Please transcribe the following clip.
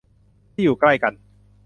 ที่อยู่ใกล้กัน